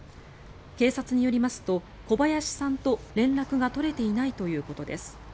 警察によりますと小林さんと連絡が取れていないということです。